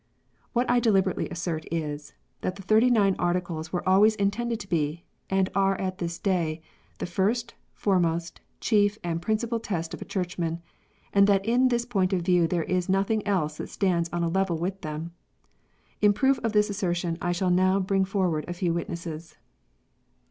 What I deliberately assert is, that the Thirty nine Articles were always intended to be, and are at this day, the first, fore most, chief, and principal test of a Churchman, and that in this point of view there is nothing else that stands on a level with them. In proof of this assertion I shall now bring for ward a few witnesses.